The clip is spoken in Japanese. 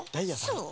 そう。